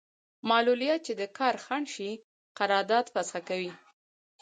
معلولیت چې د کار خنډ شي قرارداد فسخه کوي.